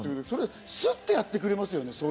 それをすっとやってくれますよね。